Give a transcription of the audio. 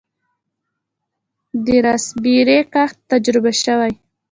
د راسبیري کښت تجربه شوی؟